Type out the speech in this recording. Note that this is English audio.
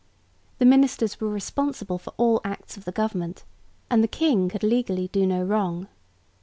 The ministers were responsible for all acts of the government, and the king could legally do no wrong.